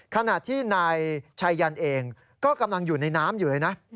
ขณะที่นายชัยยันเองก็กำลังอยู่ในน้ำอยู่เลยนะ